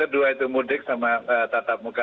dua itu mudik sama tatap muka